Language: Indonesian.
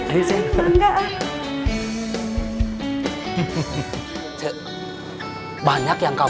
meta kalau dibalik kan atem